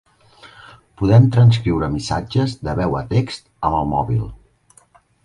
Podrem transcriure missatges de veu a text amb el mòbil.